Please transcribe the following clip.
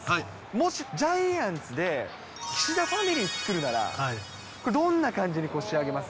もしジャイアンツで、岸田ファミリー作るならこれ、どんな感じに仕上げます？